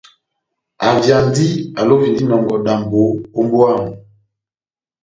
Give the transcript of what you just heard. Avyandi, alovindi inɔngɔ dambo ó mbówa yamu.